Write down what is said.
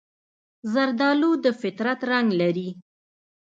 زردالو د فطرت رنګ لري.